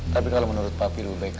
gak ada yang credential sius crystal